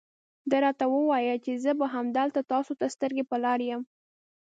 ده راته وویل چې زه به همدلته تاسو ته سترګې په لار یم.